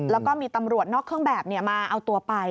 แล้วก็มีตำรวจนอกเครื่องแบบมาเอาตัวไป